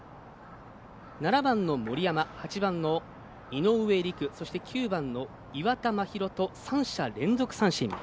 ７番の森山８番の井上陸そして９番の岩田真拡と３者連続三振。